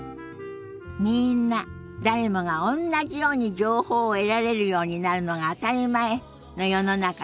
みんな誰もがおんなじように情報を得られるようになるのが当たり前の世の中にならなきゃね。